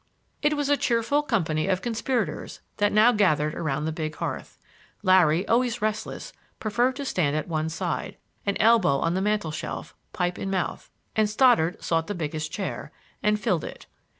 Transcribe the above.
It was a cheerful company of conspirators that now gathered around the big hearth. Larry, always restless, preferred to stand at one side, an elbow on the mantel shelf, pipe in mouth; and Stoddard sought the biggest chair,—and filled it.